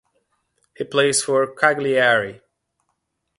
He plays for Cagliari.